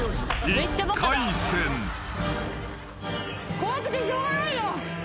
怖くてしょうがないよ。